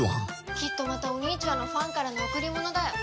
きっとまたお兄ちゅわんのファンからの贈り物だよ。